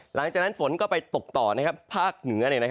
หลังจากนั้นฝนก็ไปตกต่อภาคเหนือ